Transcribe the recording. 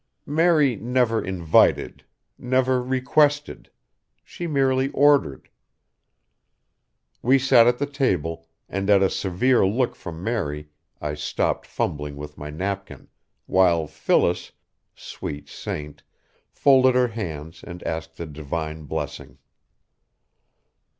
Mary never invited, never requested; she merely ordered. We sat at the table, and at a severe look from Mary I stopped fumbling with my napkin, while Phyllis sweet saint! folded her hands and asked the divine blessing.